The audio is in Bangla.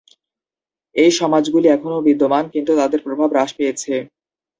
এই সমাজগুলি এখনও বিদ্যমান, কিন্তু তাদের প্রভাব হ্রাস পেয়েছে।